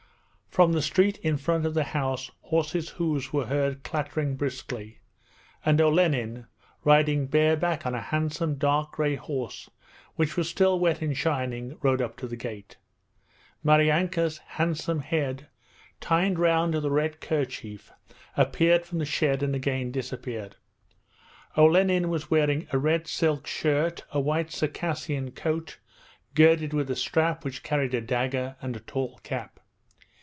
From the street in front of the house horses' hoofs were heard clattering briskly, and Olenin, riding bareback on a handsome dark grey horse which was still wet and shining, rode up to the gate. Maryanka's handsome head, tied round with a red kerchief, appeared from the shed and again disappeared. Olenin was wearing a red silk shirt, a white Circassian coat girdled with a strap which carried a dagger, and a tall cap.